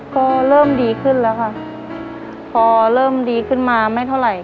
ก็เริ่มดีขึ้นแล้วค่ะพอเริ่มดีขึ้นมาไม่เท่าไหร่